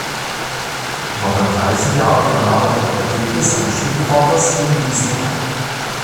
Noch im gleichen Jahr übernahm er die Apotheke seines Schwiegervaters in Wiesloch.